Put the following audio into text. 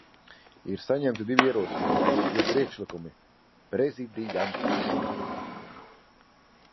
Ir saņemti divi ierosinājumi, jeb priekšlikumi Prezidijam.